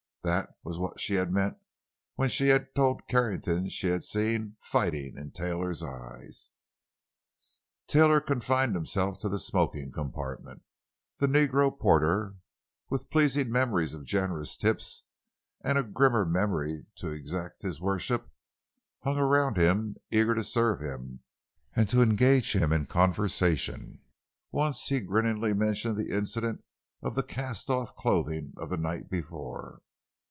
That was what she had meant when she had told Carrington she had seen fighting in Taylor's eyes. Taylor confined himself to the smoking compartment. The negro porter, with pleasing memories of generous tips and a grimmer memory to exact his worship, hung around him, eager to serve him, and to engage him in conversation; once he grinningly mentioned the incident of the cast off clothing of the night before.